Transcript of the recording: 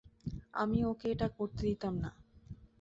আমি ওকে এটা করতে দিতাম না।